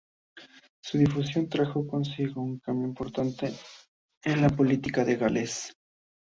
Su difusión trajo consigo un cambio importante en la política de Gales.